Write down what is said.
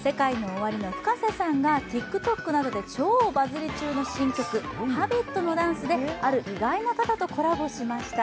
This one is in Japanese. ＳＥＫＡＩＮＯＯＷＡＲＩのＦｕｋａｓｅさんがＴｉｋＴｏｋなどで超バズり中の新曲「Ｈａｂｉｔ」のダンスである意外な方とコラボしました。